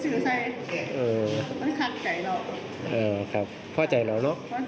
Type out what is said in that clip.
คือมันเข้าใจเรา